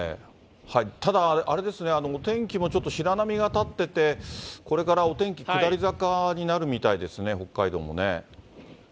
ただ、あれですね、天気もちょっと白波が立ってて、これからお天気下り坂になるみたそうなんですよね。